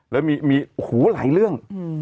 แล้วมีหูหลายเรื่อง